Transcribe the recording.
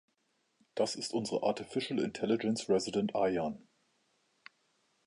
Das ist unsere Artificial Intelligence Resident, Ayaan.